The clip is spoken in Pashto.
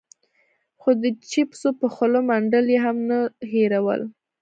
خو د چېپسو په خوله منډل يې هم نه هېرول.